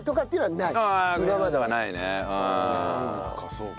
ないのかそうか。